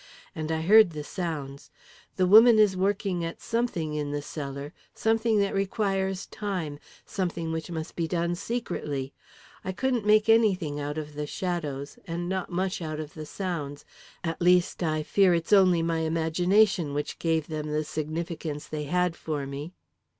And I heard the sounds. The woman is working at something in the cellar something that requires time something which must be done secretly. I couldn't make anything out of the shadows, and not much out of the sounds at least, I fear it's only my imagination which gave them the significance they had for me."